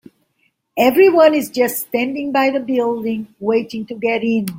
Everyone is just standing by the building, waiting to get in.